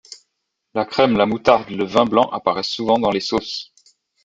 La crème, la moutarde, le vin blanc apparaissent souvent dans les sauces.